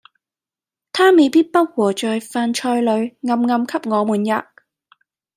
他未必不和在飯菜裏，暗暗給我們喫。